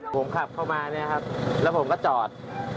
ผมขับเข้ามาแล้วผมก็จอด